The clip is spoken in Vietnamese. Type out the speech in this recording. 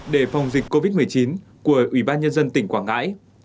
để phòng dịch covid một mươi chín của ủy ban nhân dân tỉnh quảng ngãi